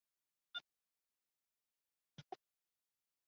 博扎克人口变化图示